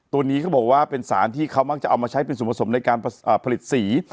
ตัวนี้เขาบอกว่าเป็นสารที่เขามักจะเอามาใช้เป็นส่วนผสมในการผลิตสี